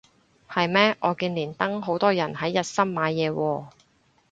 係咩我見連登好多人係日森買嘢喎